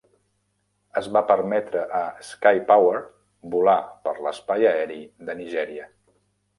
Es va permetre a Skypower volar per l'espai aeri de Nigèria.